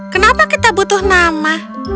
kenapa kita butuh nama